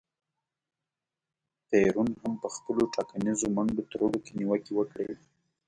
پېرون هم په خپلو ټاکنیزو منډو ترړو کې نیوکې وکړې.